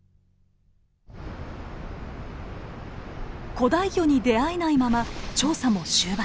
古代魚に出会えないまま調査も終盤。